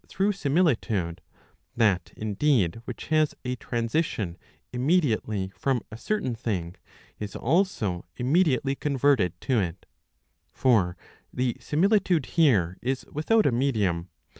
For since each of these takes place through similitude, that indeed which has a transition immediately from a certain thing, is also immedi¬ ately converted to it. For the similitude here is without a medium.